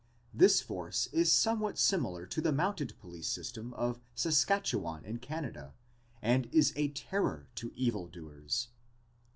This force is somewhat similar to the mounted police system of Saskatchewan in Canada and is a terror to evil doers.